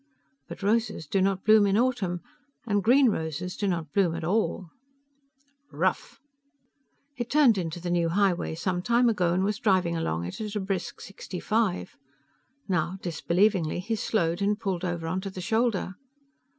But roses do not bloom in autumn, and green roses do not bloom at all "Ruf!" He had turned into the new highway some time ago, and was driving along it at a brisk sixty five. Now, disbelievingly, he slowed, and pulled over onto the shoulder.